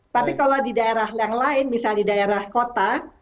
tapi kalau di daerah yang lain misalnya di daerah kota